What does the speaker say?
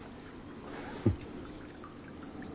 フッ。